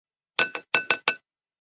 目标之一是收复吐谷浑故地。